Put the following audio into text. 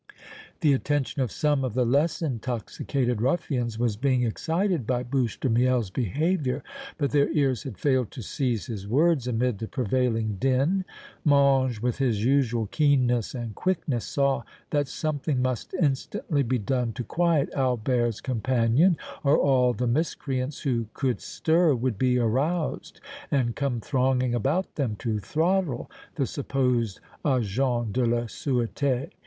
The attention of some of the less intoxicated ruffians was being excited by Bouche de Miel's behavior, but their ears had failed to seize his words amid the prevailing din. Mange, with his usual keenness and quickness, saw that something must instantly be done to quiet Albert's companion or all the miscreants who could stir would be aroused and come thronging about them to throttle the supposed Agent de la Sureté.